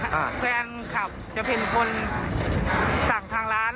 อ่าแฟนคลับจะเป็นคนสั่งทางร้าน